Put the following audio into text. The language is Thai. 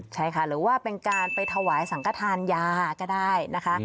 ใช่ค่ะหรือว่าเป็นการไปถวายสังกฐานยาก็ได้นะคะ